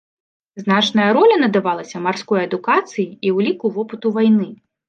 Значная роля надавалася марской адукацыі і ўліку вопыту вайны.